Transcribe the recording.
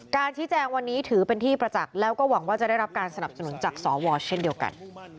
ชี้แจงวันนี้ถือเป็นที่ประจักษ์แล้วก็หวังว่าจะได้รับการสนับสนุนจากสวเช่นเดียวกัน